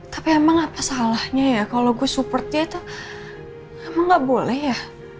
tapi emang apa salahnya ya kalo gue support dia tuh emang gak boleh ya